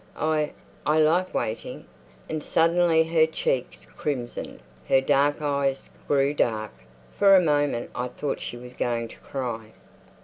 I—I like waiting." And suddenly her cheeks crimsoned, her eyes grew dark—for a moment I thought she was going to cry.